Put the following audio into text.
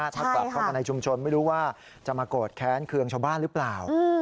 ถ้ากลับเข้ามาในชุมชนไม่รู้ว่าจะมาโกรธแค้นเคืองชาวบ้านหรือเปล่า